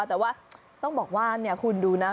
แต่ว่าต้องบอกว่าคุณดูนะ